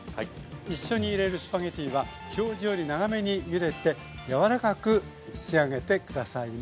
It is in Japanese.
一緒に入れるスパゲッティは表示より長めにゆでて柔らかく仕上げて下さいね。